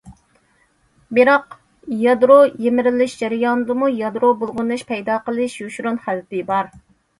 بىراق يادرو يىمىرىلىش جەريانىدىمۇ يادرو بۇلغىنىش پەيدا قىلىش يوشۇرۇن خەۋپى بار.